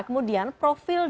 kemudian profil dari